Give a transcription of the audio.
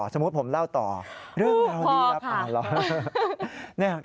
สมมุติผมเล่าต่อเรื่องราวรีลับพอผ่าน